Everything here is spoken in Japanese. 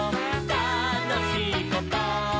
「たのしいこと？」